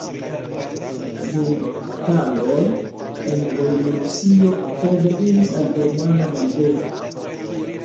Dum bataloj en Belorusio oktobre iris al germana mallibero.